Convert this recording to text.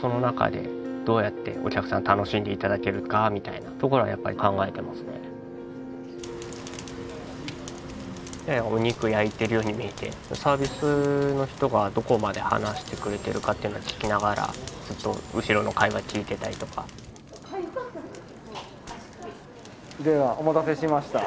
その中でどうやってお客さん楽しんで頂けるかみたいなところはやっぱり考えてますねお肉焼いてるように見えてサービスの人がどこまで話してくれているかっていうのを聞きながらずっと後ろの会話聞いてたりとかではお待たせしました。